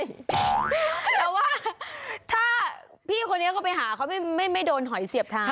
แต่ว่าถ้าพี่คนนี้เขาไปหาเขาไม่โดนหอยเสียบทาง